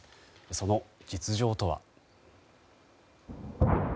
その実情とは。